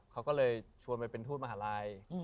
เขาก็เลยชวนไปเป็นทูตมหาลัย